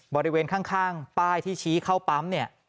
บริเวณข้างป้ายที่ชี้เข้าปั๊มเนี่ย